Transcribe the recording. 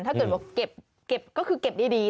ถ้าเกิดบอกเก็บก็คือเก็บดี